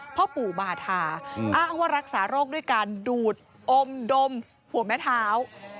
พ่อปู่บาธาอ้างว่ารักษาโรคด้วยการดูดอมดมหัวแม่เท้า